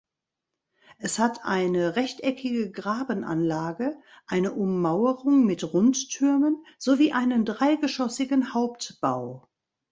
Es hat eine rechteckige Grabenanlage, eine Ummauerung mit Rundtürmen sowie einen dreigeschossigen Hauptbau.